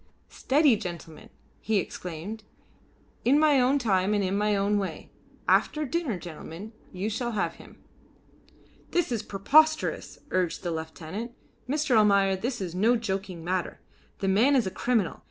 "Steady, gentlemen!" he exclaimed. "In my own time and in my own way. After dinner, gentlemen, you shall have him." "This is preposterous," urged the lieutenant. "Mr. Almayer, this is no joking matter. The man is a criminal.